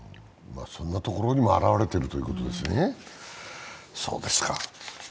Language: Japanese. そんなところにも表れてるということですね。